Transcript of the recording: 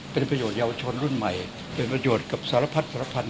เป็นประโยชนเยาวชนรุ่นใหม่เป็นประโยชน์กับสารพัดสารพันธ